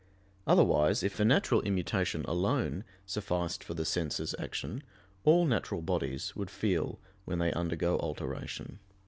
Otherwise, if a natural immutation alone sufficed for the sense's action, all natural bodies would feel when they undergo alteration.